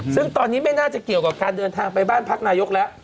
ซึ่งตอนนี้ไม่น่าจะเกี่ยวกับการเดินทางไปบ้านพักนายกแล้ว